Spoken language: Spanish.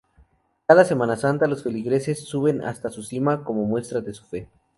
Cada Semana Santa los feligreses suben hasta su cima como muestra de su fe.